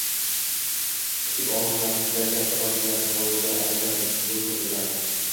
kichik olimlar, jajji ixtirochilar, voizlar, adiblar bo‘y ko‘rsatardi.